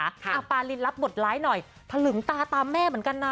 แกร่งคุณผู้ชมค่ะอาปารินรับบทรายหน่อยถลึงตาตามแม่เหมือนกันน่ะ